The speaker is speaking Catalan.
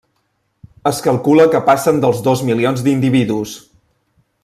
Es calcula que passen dels dos milions d'individus.